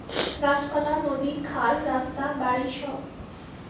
গাছপালা, নদী, খাল, রাস্তা, বাড়ি সব।